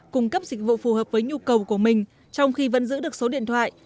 cung cấp dịch vụ phù hợp với nhu cầu của mình trong khi vẫn giữ được số điện thoại